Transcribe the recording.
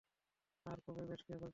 আর কবে ব্যাশকে পরিত্যাগ করব?